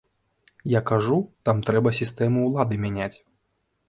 Я кажу, там трэба сістэму ўлады мяняць.